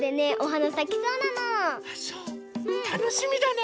たのしみだね。